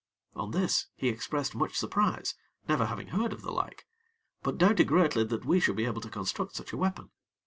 On this, he expressed much surprise, never having heard of the like; but doubted greatly that we should be able to construct such a weapon.